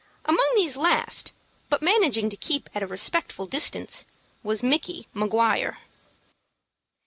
Among these last, but managing to keep at a respectful distance, was Micky Maguire.